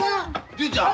純ちゃん。